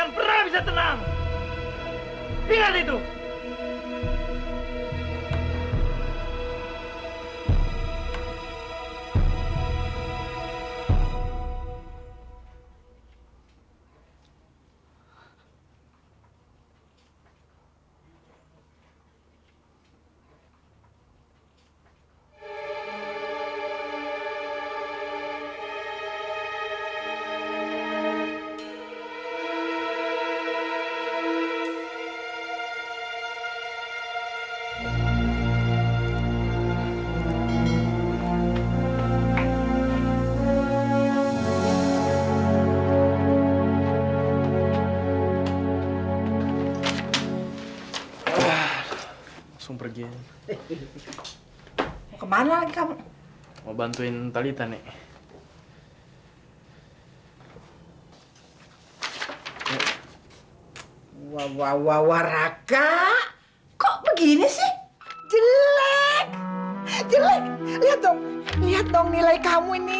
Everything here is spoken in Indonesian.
nek jangan lagi nyata